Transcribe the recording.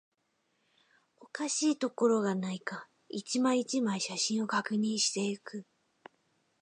おかしいところがないか、一枚、一枚、写真を確認していく